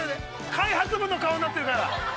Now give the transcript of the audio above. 開発部の顔になってるから。